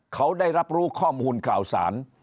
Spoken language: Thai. เขาได้รับรู้ข้อมูลข่าวสาร